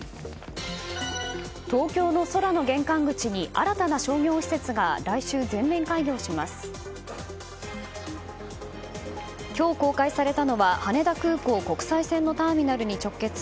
東京の空の玄関口に新たな商業施設が来週、全面開業します。